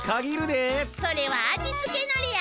それは味つけのりや。